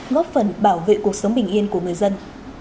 góp phần bảo vệ cuộc sống bình yên của người dân